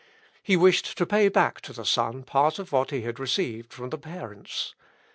He wished to pay back to the son part of what he had received from the parents.